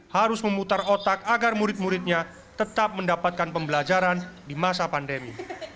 harus memutar otak agar murid muridnya tetap mendapatkan pembelajaran di masa pandemi